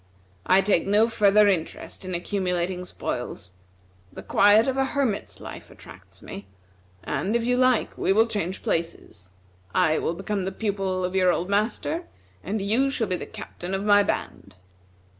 I take no further interest in accumulating spoils. The quiet of a hermit's life attracts me; and, if you like we will change places. I will become the pupil of your old master, and you shall be the captain of my band."